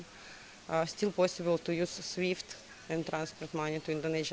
masih bisa menggunakan swift dan transportasi uang ke bank indonesia